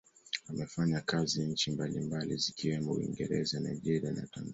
Amefanya kazi nchi mbalimbali zikiwemo Uingereza, Nigeria na Tanzania.